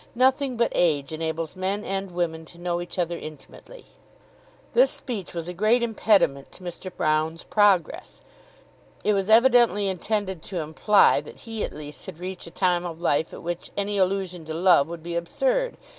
Nothing but age enables men and women to know each other intimately." This speech was a great impediment to Mr. Broune's progress. It was evidently intended to imply that he at least had reached a time of life at which any allusion to love would be absurd.